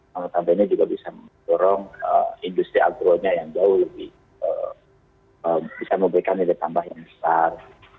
lalu tambah ini juga bisa mendorong industri agronya yang jauh lebih bisa memberikan nilai tambah yang besar